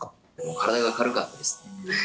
体が軽かったです。